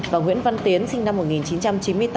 và nguyễn văn tiến sinh năm một nghìn chín trăm chín mươi tám